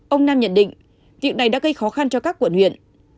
ông nam nhận định việc này đã gây khó khăn cho các quận huyện